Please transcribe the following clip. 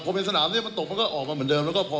ผมเห็นสนามนี้มันตกมันก็ออกมาเหมือนเดิม